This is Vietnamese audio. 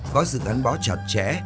có sự thắng bó chặt chẽ